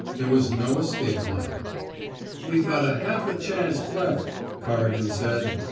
There was no escape now. '* We got a half a chanct left," Corrigan said.